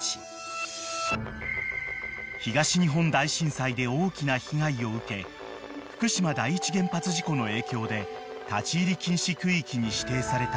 ［東日本大震災で大きな被害を受け福島第一原発事故の影響で立ち入り禁止区域に指定された町の一つ］